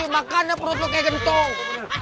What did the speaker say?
makanlah perut lo kayak gentong